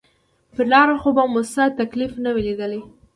پر لاره خو به مو څه تکليف نه وي ليدلى.